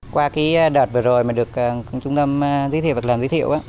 qua đợt vừa rồi mà được trung tâm dịch vụ việc làm giới thiệu